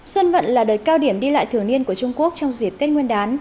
xuân vận là đợt cao điểm đi lại thường niên của trung quốc trong dịp tết nguyên đán